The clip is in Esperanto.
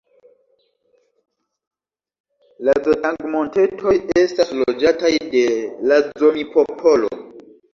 La Zotang-Montetoj estas loĝataj de la Zomi-popolo.